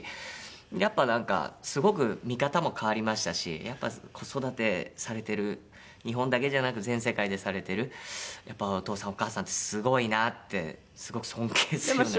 やっぱなんかすごく見方も変わりましたしやっぱ子育てされてる日本だけじゃなく全世界でされてるやっぱお父さん・お母さんってすごいなってすごく尊敬するように。